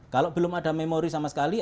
kalau belum ada memori sama sekali